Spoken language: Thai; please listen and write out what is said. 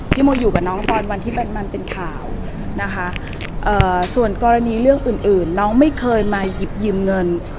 โมอยู่กับน้องตอนวันที่มันเป็นข่าวนะคะส่วนกรณีเรื่องอื่นน้องไม่เคยมาหยิบยืมเงิน